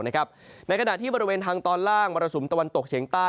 ในขณะที่บริเวณทางตอนล่างมรสุมตะวันตกเฉียงใต้